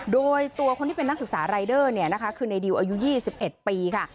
โดยตัวคนที่เป็นนักศึกษารายเดอร์เนี่ยนะคะคือในดิวอายุ๒๑ปีค่ะ